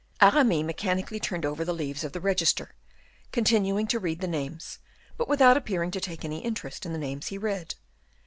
Aramis mechanically turned over the leaves of the register, continuing to read the names, but without appearing to take any interest in the names he read.